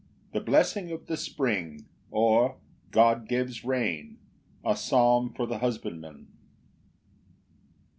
The blessing: of the spring; or, God gives rain. A psalm for the husbandman.